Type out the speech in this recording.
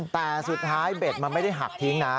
แต่สุดท้ายเบ็ดมันไม่ได้หักทิ้งนะ